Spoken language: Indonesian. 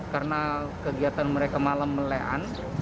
karena kegiatan mereka malam melean